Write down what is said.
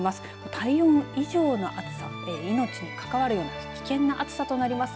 体温以上の暑さ命に関わるような危険な暑さとなります。